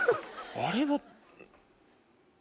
あれは。